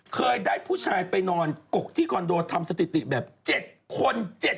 เคยได้ผู้ชายไปนอนกกที่คอนโดทำสถิติแบบ๗คน